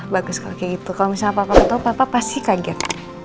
bagus kalau kayak gitu kalau misalnya papa ketemu papa pasti kaget